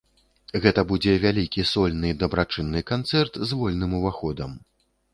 Гэта будзе вялікі сольны дабрачынны канцэрт з вольным уваходам.